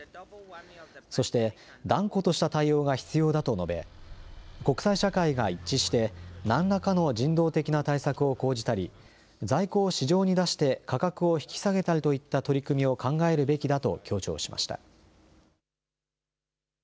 そして断固とした対応が必要だと述べ国際社会が一致して何らかの人道的な対策を講じたり、在庫を市場に出して価格を引き下げたりといった取り組みを考えるべきだと強調しました。